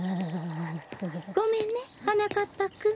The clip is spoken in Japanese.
ごめんねはなかっぱくん。